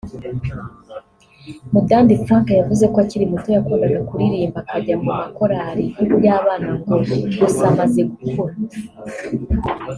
Mudandi Frank yavuze ko akiri muto yakundaga kuririmba akajya mu makorali y’abana ngo gusa amaze gukura